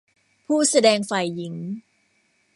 ผู้แสดงฝ่ายหญิง